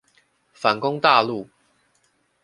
反攻大陸